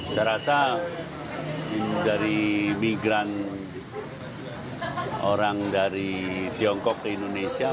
saya rasa dari migran orang dari tiongkok ke indonesia